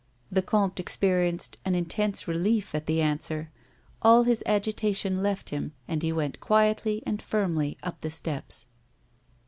The comte experienced an intense relief at the answer ; all his agitation left him, and he went quietly and fii mly up the steps.